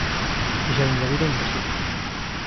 Fixéronlle a vida imposible.